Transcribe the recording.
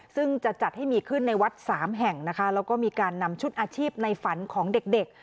ซึ่งจะจัดให้มีขึ้นในวัดสามแห่งนะคะแล้วก็มีการนำชุดอาชีพในฝันของเด็ก